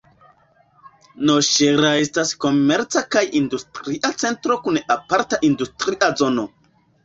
Noŝera estas komerca kaj industria centro kun aparta industria zono.